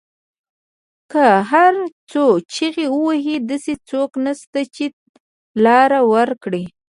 که هر څو چیغې وهي داسې څوک نشته، چې لار ورکړی